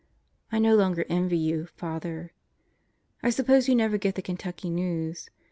I no longer envy you, Father. I suppose you never get the Kentucky news.